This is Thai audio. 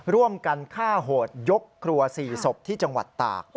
ร่วมกันฆ่าโหดยกครัว๔ศพที่จังหวัดตาก